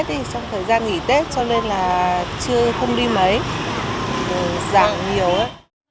thì trong thời gian nghỉ tết cho nên là chưa không đi mấy rồi giảm nhiều ấy